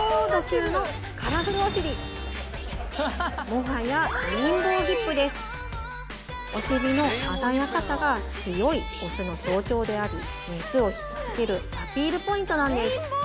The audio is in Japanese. もはやお尻の鮮やかさが強いオスの象徴でありメスを引きつけるアピールポイントなんです